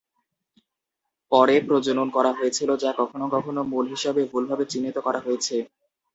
পরে প্রজনন করা হয়েছিল, যা কখনও কখনও মূল হিসাবে ভুলভাবে চিহ্নিত করা হয়েছে।